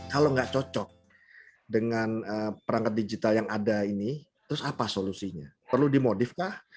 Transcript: kalau nggak cocok dengan perangkat digital yang ada ini terus apa solusinya perlu dimodif kah